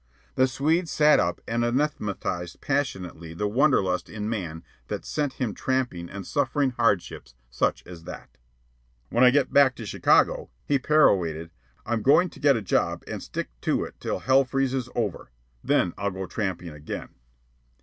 The Swede sat up and anathematized passionately the wanderlust in man that sent him tramping and suffering hardships such as that. "When I get back to Chicago," he perorated, "I'm going to get a job and stick to it till hell freezes over. Then I'll go tramping again."